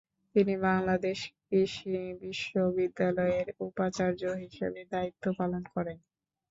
তিনি বাংলাদেশ কৃষি বিশ্ববিদ্যালয়ের উপাচার্য হিসেবে দায়িত্ব পালন করেন।